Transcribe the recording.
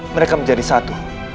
mereka menjadi satu